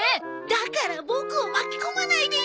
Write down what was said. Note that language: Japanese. だからボクを巻き込まないでよ！